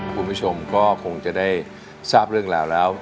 คุณผู้ชมก็คงจะได้ทราบเรื่องราวแล้ว